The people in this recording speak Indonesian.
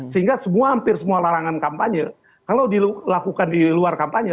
sehingga hampir semua larangan kampanye kalau dilakukan di luar kampanye